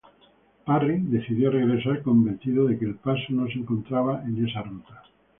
Parry decidió regresar, convencido de que el paso no se encontraba en esa ruta.